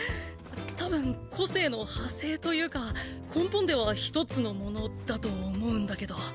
多分個性の派生というか根本では１つのものだと思うんだけど。